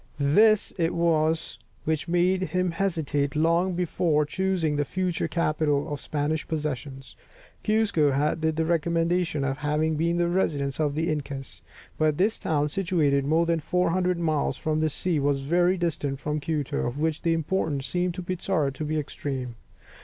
This it was which made him hesitate long before choosing the future capital of the Spanish possessions. Cuzco had the recommendation of having been the residence of the incas; but this town, situated more than 400 miles from the sea, was very distant from Quito, of which the importance seemed to Pizarro to be extreme.